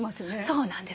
そうなんです。